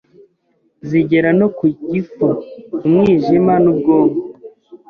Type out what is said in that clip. zigera no ku gifu, umwijima n’ubwonko.